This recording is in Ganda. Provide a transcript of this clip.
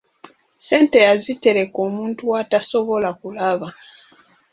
Ssente yaziterekka omuntu w'atasobola kulaba.